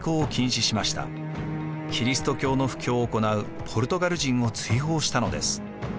キリスト教の布教を行うポルトガル人を追放したのです。